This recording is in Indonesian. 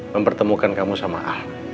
mempertemukan kamu sama al